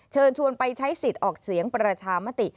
เชิญชวนไปใช้สิทธิ์ออกเสียงประชามติ